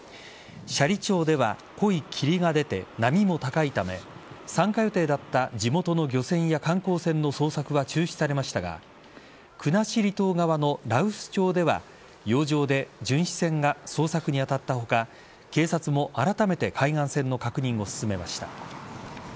斜里町では濃い霧が出て波も高いため参加予定だった地元の漁船や観光船の捜索は中止されましたが国後島側の羅臼町では洋上で巡視船が捜索に当たった他警察もあらためて海岸線の確認を進めました。